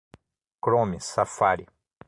Chrome, Safari